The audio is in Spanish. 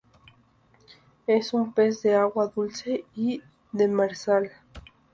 Es un pez de agua dulce y demersal.